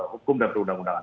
hukum dan perundang undangan